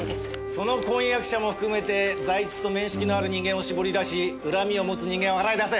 その婚約者も含めて財津と面識のある人間を絞り出し恨みを持つ人間を洗い出せ。